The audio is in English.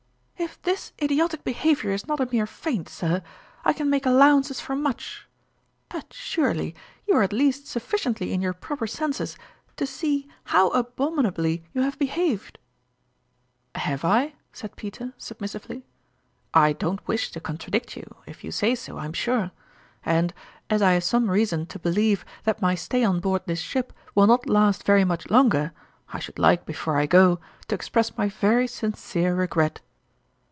" If this idiotic behavior is not a mere feint, sir, I can make allowances for much ; but, 74 (EottrmaUn's ime surely, you are at least sufficiently in your proper senses to see how abominably you have behaved ?"" Have I ?" said Peter, submissively. " I don't wish to contradict you, if you say so, I'm sure. And, as I have some reason to believe that my stay on board this ship will not last very much longer, I should like before I go to express my very sincere regret."